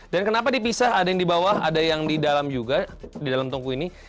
dan kenapa dipisah ada yang di bawah ada yang di dalam juga di dalam tungku ini